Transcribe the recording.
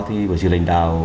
thì bởi sự lãnh đạo